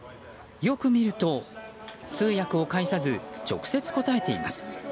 よく見ると通訳を介さず直接答えています。